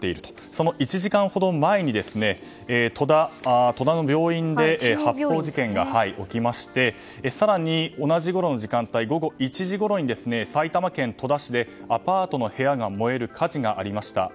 その１時間ほど前に戸田中央病院で発砲事件が起き更に同じころの時間帯午後１時ごろに埼玉県戸田市でアパートの部屋が燃える火事がありました。